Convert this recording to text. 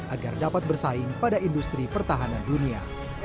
agar dapat bersaing pada industri pertahanan dunia